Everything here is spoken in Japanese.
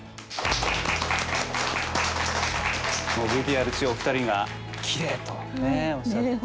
ＶＴＲ中お二人が「きれい！」とおっしゃって。